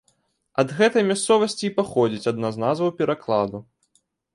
Ад гэтай мясцовасці і паходзіць адна з назваў перакладу.